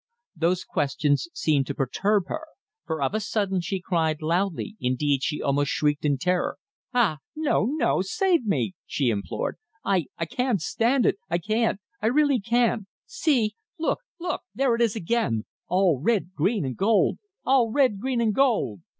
Those questions seemed to perturb her, for of a sudden she cried loudly, indeed she almost shrieked in terror: "Ah! no! no! Save me!" she implored. "I I can't stand it! I can't I really can't! See! Look! Look! There it is again all red, green and gold! all red, green and gold!"